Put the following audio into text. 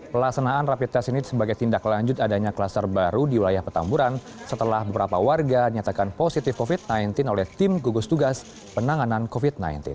pelaksanaan rapid test ini sebagai tindak lanjut adanya kluster baru di wilayah petamburan setelah beberapa warga dinyatakan positif covid sembilan belas oleh tim gugus tugas penanganan covid sembilan belas